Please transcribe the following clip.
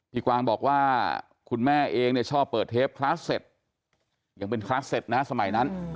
พี่กวางบอกว่าคุณแม่เองชอบเปิดเทปคลาสเซตยังเป็นคลาสเซตนะครับสมัยนั้น